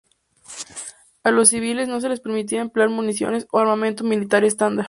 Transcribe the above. A los civiles no se les permitía emplear municiones o armamento militar estándar.